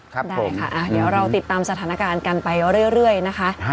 ครับผมได้ค่ะอ่าเดี๋ยวเราติดตามสถานการณ์กันไปเรื่อยเรื่อยนะคะฮะ